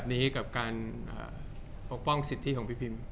จากความไม่เข้าจันทร์ของผู้ใหญ่ของพ่อกับแม่